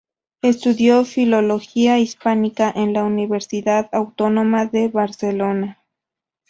Estudió Filología Hispánica en la Universidad Autónoma de Barcelona.